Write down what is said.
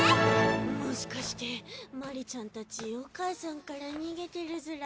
もしかして鞠莉ちゃんたちお母さんから逃げてるずら？